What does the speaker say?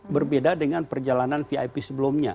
berbeda dengan perjalanan vip sebelumnya